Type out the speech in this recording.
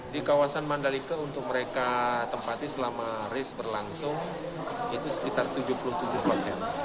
di kawasan mandalika untuk mereka tempati selama race berlangsung itu sekitar tujuh puluh tujuh hotel